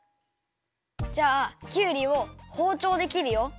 じゃあきゅうりをほうちょうできるよ。